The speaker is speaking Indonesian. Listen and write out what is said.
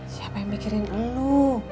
siapa yang mikirin elu